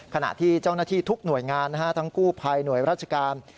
ขณะที่เจ้าหน้าที่ทุกหน่วยงานทั้งกู้ภัยหน่วยราชการ